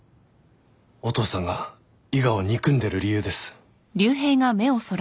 お父さんが伊賀を憎んでる理由です。